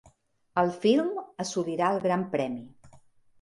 El film assolirà el Gran Premi.